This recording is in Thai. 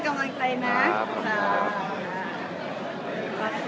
ค่ะแก่งปลากบอกมาว่าก้มสู้เป็นกำลังใกล้นะ